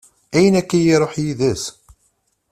Ayen akka i yi-iruḥ yiḍes?